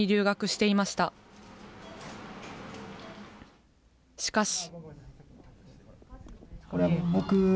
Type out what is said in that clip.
しかし。